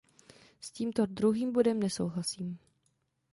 S tímto druhým bodem nesouhlasím.